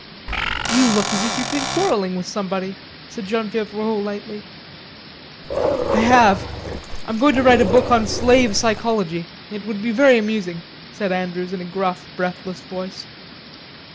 "You look as if you'd been quarrelling with somebody," said Genevieve Rod lightly. "I have, with myself.... I'm going to write a book on slave psychology. It would be very amusing," said Andrews in a gruff, breathless voice.